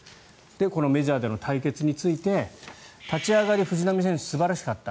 このメジャーでの対決について立ち上がり藤浪選手、素晴らしかった。